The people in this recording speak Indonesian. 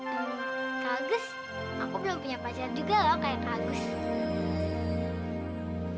kak agus aku belum punya pacar juga loh kayak kak agus